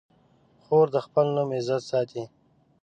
خور د خپل نوم عزت ساتي.